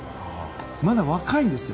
まだ若いですよ。